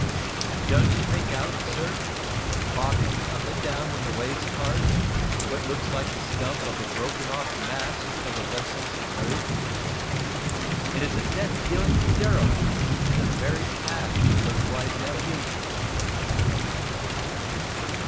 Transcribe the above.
"Don't you make out, sir, bobbing up and down when the waves part, what looks like the stump of the broken off mast of a vessel submerged? Is it a death dealing derelict in the very path of coastwise navigation!"